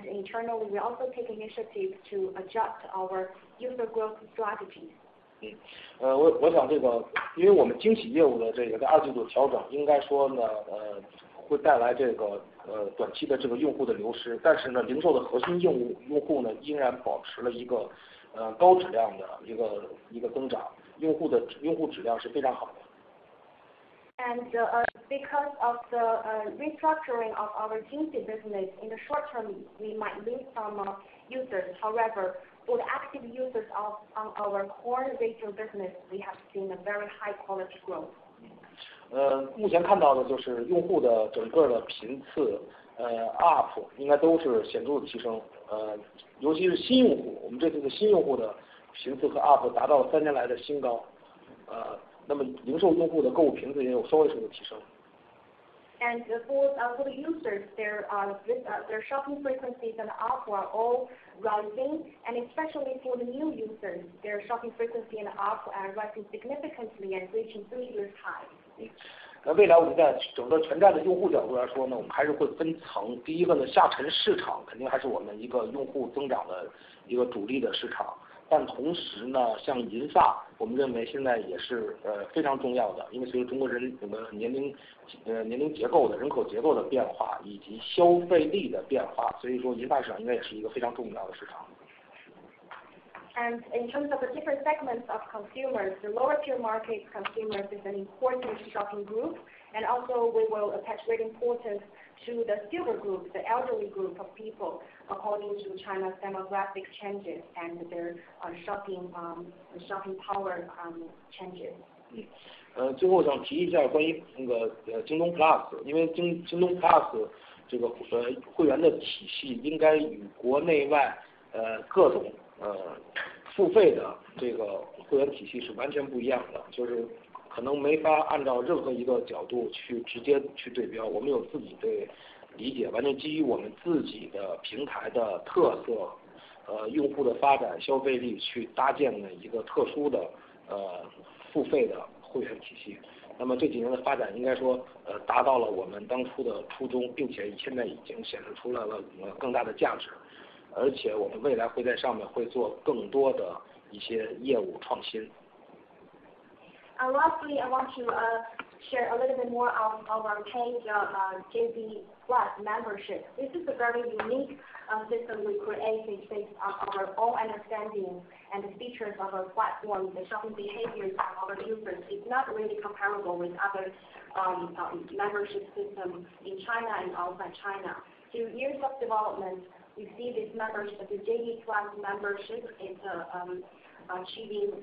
Internally we also take initiatives to adjust our user growth strategies. 我想这个因为我们京喜业务的二季度调整，应该说呢，会带来这个短期的用户的流失。但是呢，零售的核心业务用户呢，依然保持了一个高质量的增长，用户质量是非常好的。Because of the restructuring of our 京喜 business in the short term, we might lose some users. However, for the active users of our core retail business, we have seen a very high quality growth. 目前看到的就是用户的整个的频次up应该都是显著提升，尤其是新用户，我们这次的新用户的频次和up达到三年来的新高，那么零售用户的购物频次也有稍微是的提升。For the users, their shopping frequencies are up and are all rising. Especially for the new users, their shopping frequency is up and is rising significantly and reaching three-year high. 那未来我们在整个全站的用户角度来说呢，我们还是会分层。第一个呢，下沉市场肯定还是我们一个用户增长的一个主力的市场。但同时呢，像银发，我们认为现在也是非常重要的，因为随着中国人我们的年龄、年龄结构的人口结构的变化以及消费力的变化，所以说银发市场应该也是一个非常重要的市场。In terms of the different segments of consumers, the lower tier market consumers is an important shopping group. Also we will attach great importance to the silver group, the elderly group of people according to China's demographic changes and their shopping power changes. 最后想提一下关于京东 Plus，因为京东 Plus Hopefully, I want to share a little bit more of our paid JD PLUS membership. This is a very unique system we created based on our own understanding and the features of our platform, the shopping behaviors of our users. It's not really comparable with other membership system in China and outside China. Through years of development, we see this membership, the JD PLUS membership, it's achieving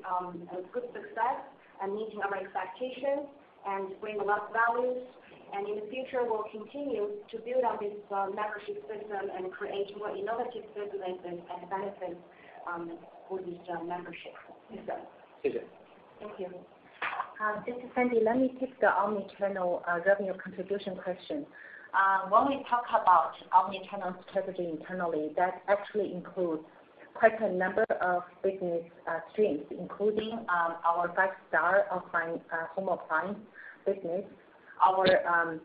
a good success and meeting our expectations and bring a lot of values. In the future, we'll continue to build on this membership system and create more innovative services and benefits for this membership. Thank you. Thank you. This is Sandy. Let me take the omni-channel revenue contribution question. When we talk about omni-channel strategy internally, that actually includes quite a number of business streams, including our Five Star offline home appliance business, our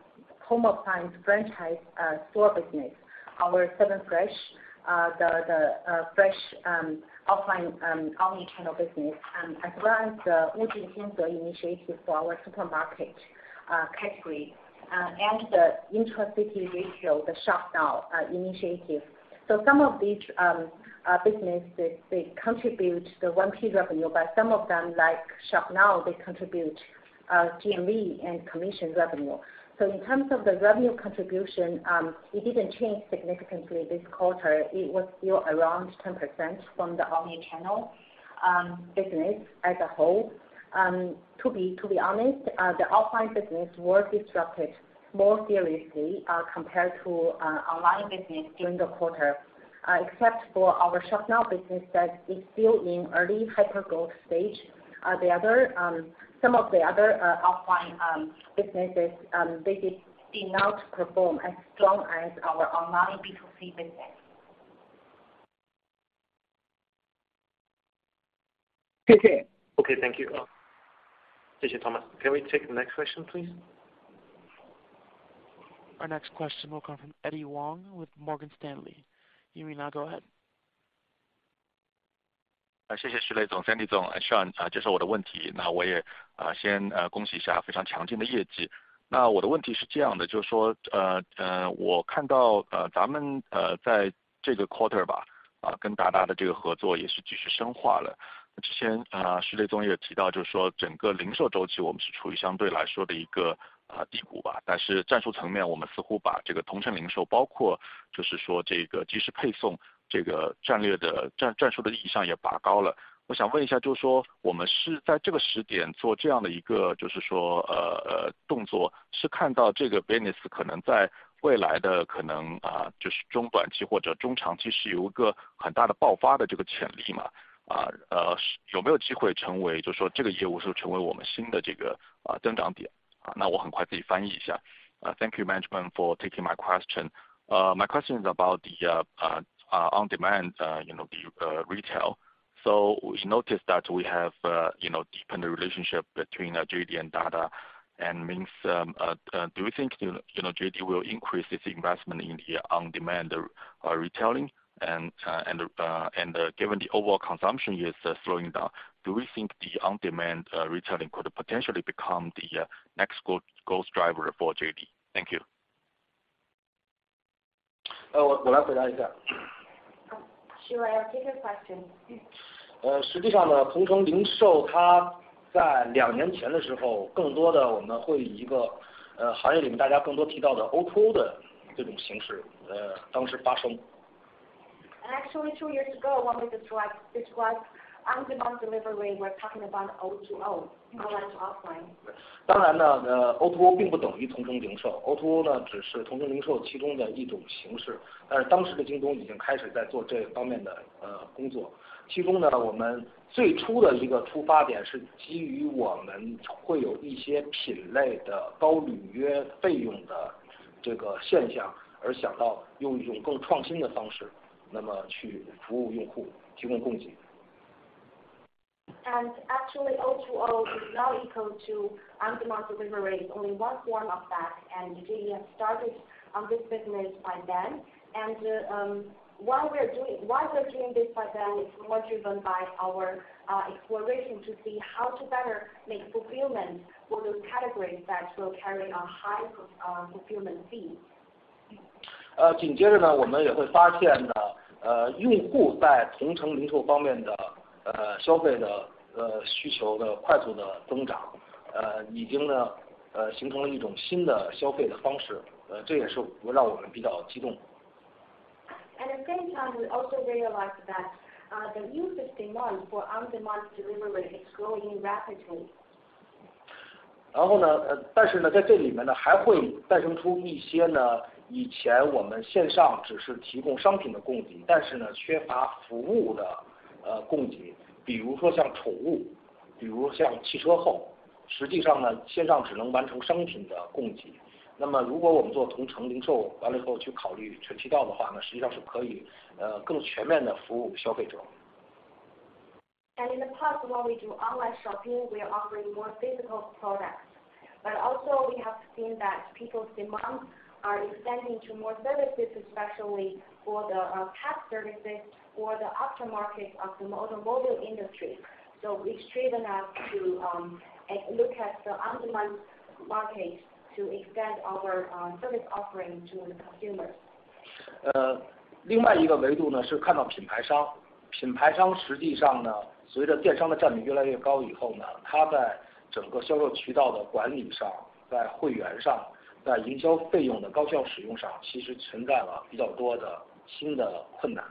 home appliance franchise store business, our 7FRESH, the fresh offline omni-channel business, as well as the Wujing Tianze initiative for our supermarket category, and the intra-city retail, the Shop Now initiative. Some of these business they contribute the one key revenue, but some of them, like Shop Now, they contribute GMV and commission revenue. In terms of the revenue contribution, it didn't change significantly this quarter. It was still around 10% from the omni-channel business as a whole. To be honest, the offline business was disrupted more seriously compared to online business during the quarter, except for our Shop Now business that is still in early hyper-growth stage. Some of the other offline businesses did seem not to perform as strong as our online B2C business. Okay. Thank you. This is Thomas. Can we take the next question, please? Our next question will come from Eddy Wang with Morgan Stanley. You may now go ahead. Thank you, management, for taking my question. My question is about the on-demand, you know, the retail. We noticed that we have, you know, deepened the relationship between JD and Dada, and I mean, do you think, you know, JD will increase its investment in the on-demand retailing? Given the overall consumption is slowing down, do we think the on-demand retailing could potentially become the next growth driver for JD? Thank you. Actually, two years ago, when we discussed on-demand delivery, we're talking about O2O, online to offline. Actually, O2O is not equal to on-demand delivery, it's only one form of that. JD had started on this business by then. While we're doing this by then, it's more driven by our exploration to see how to better make fulfillment for those categories that will carry a high fulfillment fee. At the same time, we also realized that the usage demand for on-demand delivery is growing rapidly. In the past, when we do online shopping, we are offering more physical products. But also we have seen that people's demands are extending to more services, especially for the pet services or the aftermarket of the automobile industry. It's driven us to look at the on-demand market to extend our service offering to the consumers. Uh, Certainly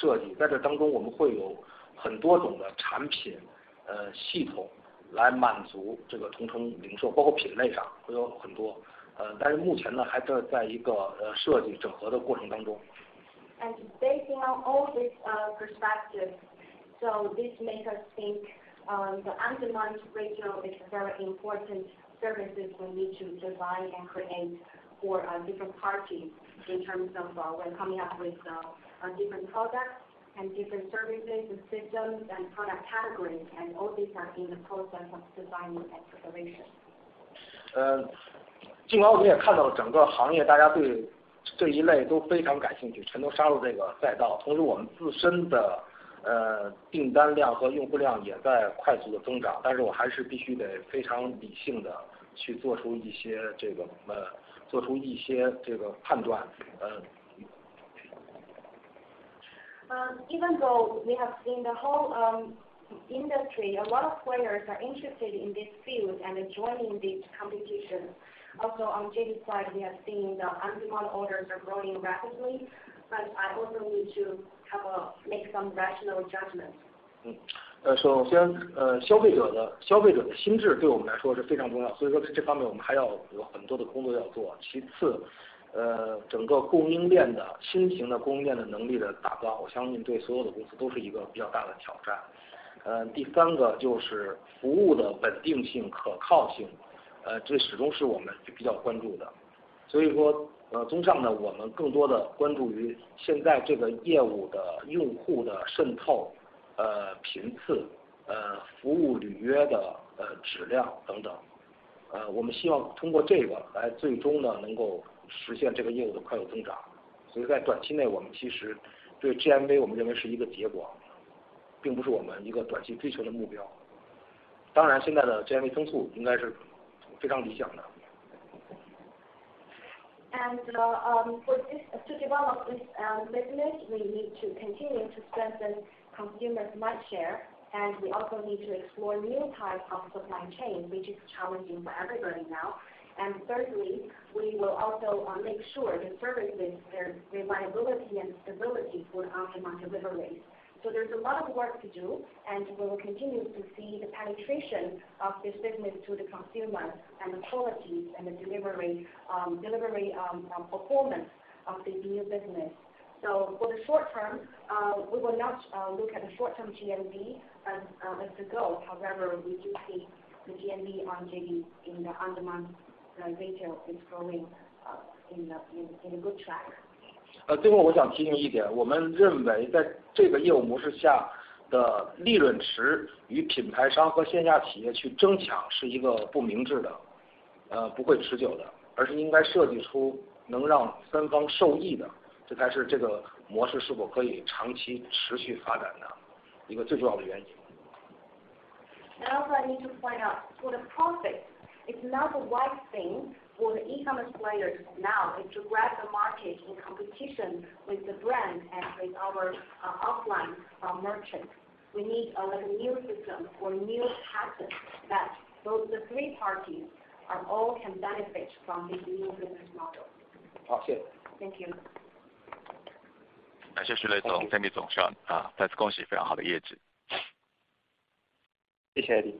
from the perspective of our brand partners, when they're doing more e-commerce, they're facing some difficulties in managing their membership, managing their users and doing their marketing. There are their own challenges when they do more e-commerce. Uh, Based on all these perspectives, this makes us think the on-demand retail is very important services we need to design and create for different parties in terms of different products and different services and systems and product categories, and all these are in the process of designing and preparation. Uh, Even though we have seen the whole industry, a lot of players are interested in this field and are joining this competition. Also on JD's side, we have seen the on-demand orders are growing rapidly, but I also need to make some rational judgments. Um, To develop this business, we need to continue to strengthen consumers' mindshare, and we also need to explore new types of supply chain, which is challenging for everybody now. We will also make sure the services, their reliability and stability for the on-demand deliveries. There's a lot of work to do, and we will continue to see the penetration of this business to the consumers and the qualities and the delivery performance of this new business. For the short term, we will not look at the short-term GMV as the goal. However, we do see the GMV on JD in the on-demand ratio is growing in a good track. Uh, Also I need to point out for the profit, it's not the right thing for the e-commerce players now is to grab the market in competition with the brand and with our offline merchants. We need a, like, a new system or new pattern that both the three parties are all can benefit from this new business model. Thank you. Thank you. Thomas Chong. Thank you, Eddy.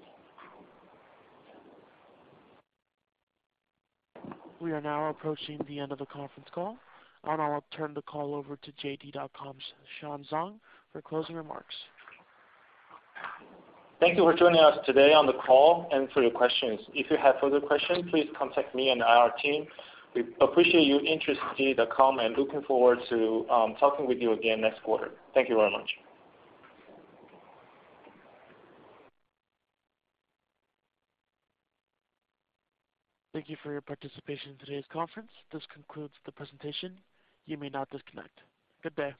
We are now approaching the end of the conference call. I'll turn the call over to JD.com's Sean Zhang for closing remarks. Thank you for joining us today on the call and for your questions. If you have further questions, please contact me and our team. We appreciate your interest in JD.com, and looking forward to talking with you again next quarter. Thank you very much. Thank you for your participation in today's conference. This concludes the presentation. You may now disconnect. Good day.